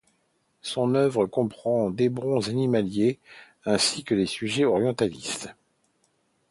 Son œuvre comprend des bronzes animaliers ainsi que des sujets orientalistes.